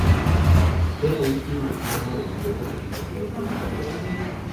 Fue la última arma de fuego que diseñó John Browning.